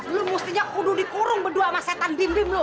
lu mustinya kudu dikurung berdua sama setan bim bim lu